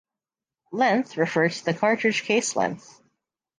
Length refers to the cartridge case length.